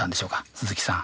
鈴木さん。